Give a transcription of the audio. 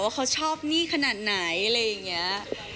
เขาชอบหนี้ขนาดไหนอะไรอย่างนี้